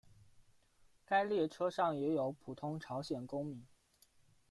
该列车上也有普通朝鲜公民。